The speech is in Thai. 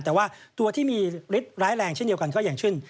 แต่ว่าตัวที่มีฤทธิ์ร้ายแรงเช่นเดียวกันก็อย่างเช่น